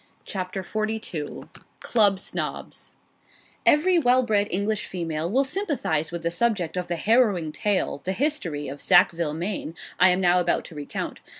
CHAPTER XLII CLUB SNOBS Every well bred English female will sympathize with the subject of the harrowing tale, the history of Sackville Maine, I am now about to recount.